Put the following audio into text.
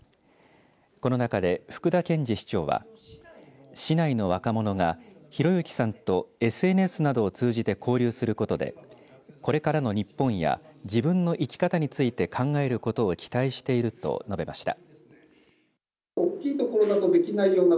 この中で、福田健次市長は市内の若者がひろゆきさんとＳＮＳなどを通じて交流することでこれからの日本や自分の生き方について考えることを期待していると述べました。